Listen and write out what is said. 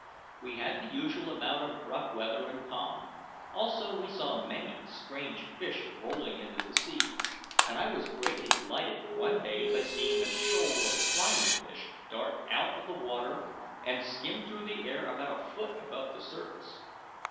We had the usual amount of rough weather and calm; also we saw many strange fish rolling in the sea, and I was greatly delighted one day by seeing a shoal of flying fish dart out of the water and skim through the air about a foot above the surface.